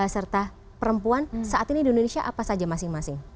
serta perempuan saat ini di indonesia apa saja masing masing